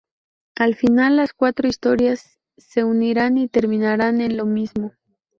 Al final las cuatro historias se unirán y terminarán en lo mismo.